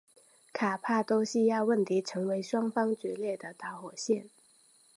卡帕多细亚问题成为双方决裂的导火索。